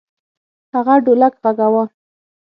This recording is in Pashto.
هغه ډولک غږاوه.